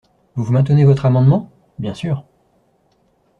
Vous maintenez votre amendement ? Bien sûr.